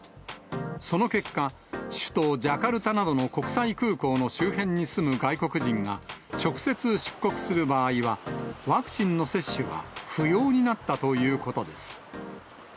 その結果、首都ジャカルタなどの国際空港の周辺に住む外国人が、直接出国する場合は、ワクチンの接種は不要になったということです。